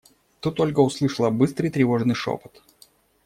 Тут Ольга услышала быстрый, тревожный шепот.